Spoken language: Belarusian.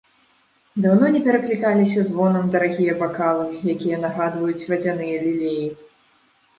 Даўно не пераклікаліся звонам дарагія бакалы, якія нагадваюць вадзяныя лілеі.